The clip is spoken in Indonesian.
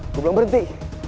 gue bilang berhenti